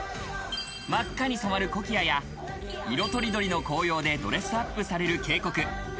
真っ赤に染まるコキアや色とりどりの紅葉で、ドレスアップされる渓谷。